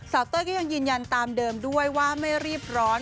เต้ยก็ยังยืนยันตามเดิมด้วยว่าไม่รีบร้อน